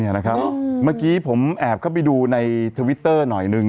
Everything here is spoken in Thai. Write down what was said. นี่นะครับเมื่อกี้ผมแอบเข้าไปดูในทวิตเตอร์หน่อยหนึ่ง